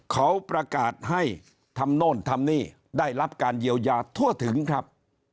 เขาประกาศให้ทำโน่นทำนี่ได้รับการเยียวยาทั่วถึงครับ